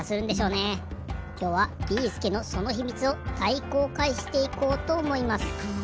きょうはビーすけのその秘密を大公開していこうとおもいます。